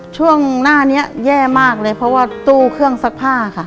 ช่วงหน้านี้แย่มากเลยเพราะว่าตู้เครื่องซักผ้าค่ะ